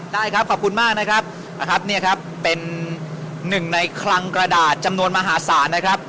ได้ครับขอบคุณมากเป็นหนึ่งในครั้งกระดาษจำนวนมหาศาล